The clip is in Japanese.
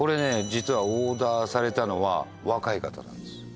実はオーダーされたのはお若い方なんです